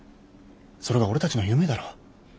それが俺たちの夢だろ。